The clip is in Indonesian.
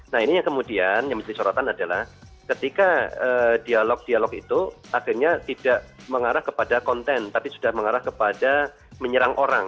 nah ini yang kemudian yang menjadi sorotan adalah ketika dialog dialog itu akhirnya tidak mengarah kepada konten tapi sudah mengarah kepada menyerang orang